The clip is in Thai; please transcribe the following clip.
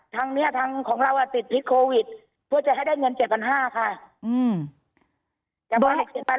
ทางเนี้ยทางของเราอ่ะติดพิษโควิดเพื่อจะให้ได้เงินเจ็ดพันห้าค่ะอืม